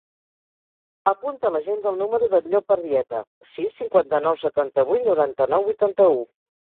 Apunta a l'agenda el número del Llop Arrieta: sis, cinquanta-nou, setanta-vuit, noranta-nou, vuitanta-u.